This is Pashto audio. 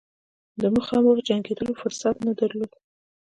د مخامخ جنګېدلو فرصت نه درلود.